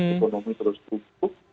ekonomi terus tumbuh